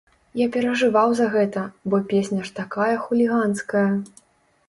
Я перажываў за гэта, бо песня ж такая хуліганская!